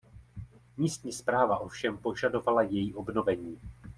Místní správa ovšem požadovala její obnovení.